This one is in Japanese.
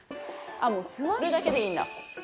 もう座るだけでいいんだこれで。